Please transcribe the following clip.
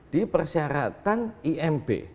di persyaratan imb